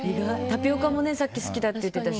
タピオカもさっき好きだって言ってたし。